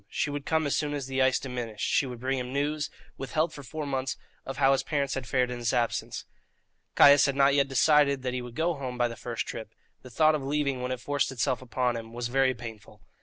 She would come as soon as the ice diminished; she would bring him news, withheld for four months, of how his parents had fared in his absence. Caius had not yet decided that he would go home by the first trip; the thought of leaving, when it forced itself upon him, was very painful.